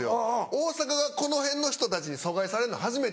大阪がこの辺の人たちに疎外されるの初めてです。